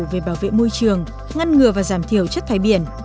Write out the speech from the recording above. về bảo vệ môi trường ngăn ngừa và giảm thiểu chất thải biển